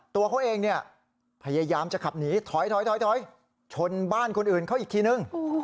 ตัวเขาเองพยายามจะขับหนีถอยถอยถอยชนบ้านคนอื่นเขาอีกทีหนึ่ง